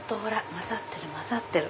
混ざってる混ざってる。